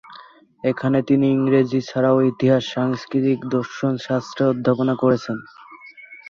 এখানে তিনি ইংরাজী ছাড়াও ইতিহাস, সংস্কৃত ও দর্শনশাস্ত্রে অধ্যাপনা করেছেন।